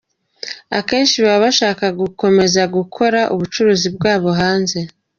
Akenshi baba bashaka gukomeza gukora ubucuruzi bwabo hanze.